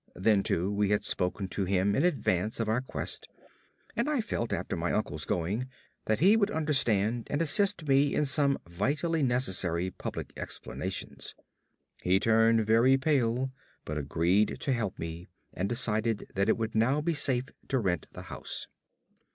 Then too, we had spoken to him in advance of our quest; and I felt after my uncle's going that he would understand and assist me in some vitally necessary public explanations. He turned very pale, but agreed to help me, and decided that it would now be safe to rent the house.